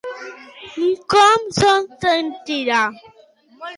I com se sentia?